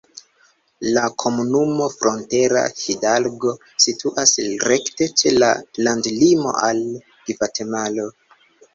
La komunumo Frontera Hidalgo situas rekte ĉe la landlimo al Gvatemalo.